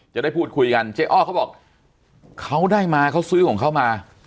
จะได้พูดคุยกันเจ๊อ้อเขาบอกเขาได้มาเขาซื้อของเขามา